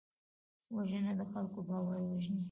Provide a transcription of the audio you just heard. وژنه د خلکو باور وژني